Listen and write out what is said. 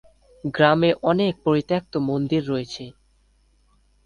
গ্রামে অনেক পরিত্যক্ত মন্দির রয়েছে।